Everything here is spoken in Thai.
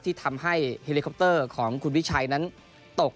ที่ทำให้เฮลิคอปเตอร์ของคุณวิชัยนั้นตก